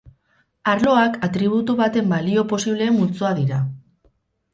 Arloak atributu baten balio posibleen multzoa dira.